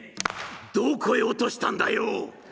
「どこへ落としたんだよ！？」。